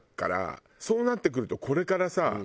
そうなってくるとこれからさ